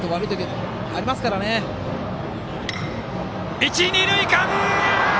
一、二塁間！